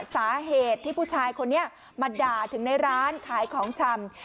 สาเหตุที่ผู้ชายคนนี้มาด่าถึงในร้านขายของชำ